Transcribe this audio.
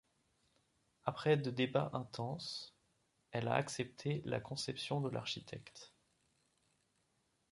Après de débats intenses, elle a accepté la conception de l'architecte.